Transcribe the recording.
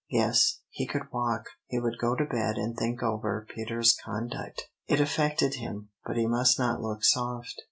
Yes, he could walk, he would go to bed, and think over Peter's conduct. It affected him, but he must not look soft.